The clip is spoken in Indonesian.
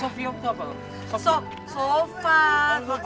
sofi apaan itu pak